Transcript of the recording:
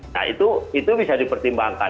nah itu bisa dipertimbangkan